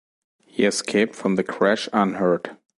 He escaped from the crash unhurt.